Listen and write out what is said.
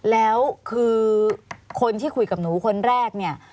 แล้วคือคนที่คุยกับหนูคนแรกเนี่ย